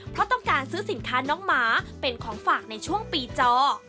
เพราะต้องการซื้อสินค้าน้องหมาเป็นของฝากในช่วงปีจอ